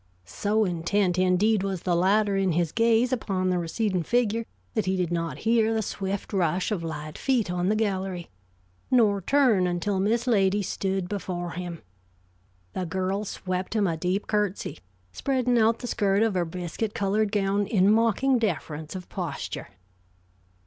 So intent, indeed, was the latter in his gaze upon the receding figure that he did not hear the swift rush of light feet on the gallery, nor turn until Miss Lady stood before him. The girl swept him a deep curtsey, spreading out the skirt of her biscuit colored gown in mocking deference of posture.